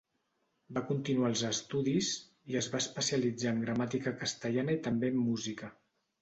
Va continuar els estudis, i es va especialitzar en gramàtica castellana i també en música.